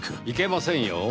いけませんよ。